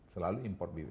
selalu import bibit